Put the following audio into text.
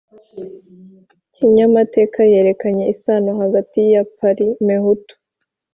kinyamateka yerekanye isano hagati ya parimehutu